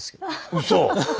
うそ？